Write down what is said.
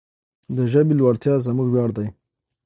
د ژبې لوړتیا زموږ ویاړ دی.